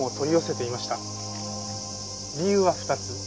理由は２つ。